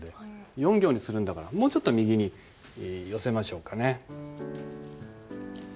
４行にするんだからもうちょっと右に寄せましょうかね。